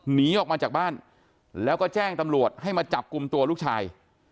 หนีออกมาจากบ้านแล้วก็แจ้งตำรวจให้มาจับกลุ่มตัวลูกชาย